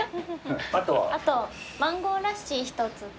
あとマンゴー・ラッシー１つと。